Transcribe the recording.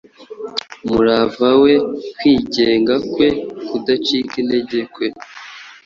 Umurava we, kwigenga kwe, kudacika intege kwe,